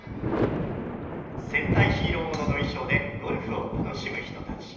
戦隊ヒーローものの衣装でゴルフを楽しむ人たち。